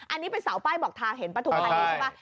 อันนี้เป็นเสาใบบอกทางเเห็นปฐมครับ